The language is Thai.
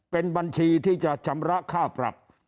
เป็นบัญชีที่จะชำระค่าปรับ